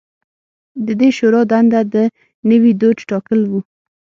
د دې شورا دنده د نوي دوج ټاکل و